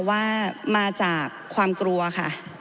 ว่ามาจากความกลัวค่ะ